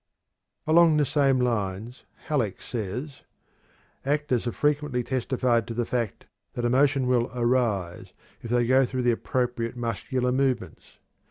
Along the same lines Halleck says: "Actors have frequently testified to the fact that emotion will arise if they go through the appropriate muscular movements.